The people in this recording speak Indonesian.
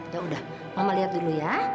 yaudah mama lihat dulu ya